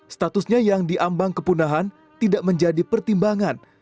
statusnya yang diambang kepunahan tidak menjadi pertimbangan